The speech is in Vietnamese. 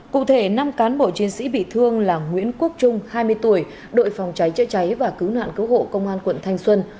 cụ thể năm cán bộ chiến sĩ bị thương là nguyễn quốc trung hai mươi tuổi đội phòng cháy chữa cháy và cứu nạn cứu hộ công an quận thanh xuân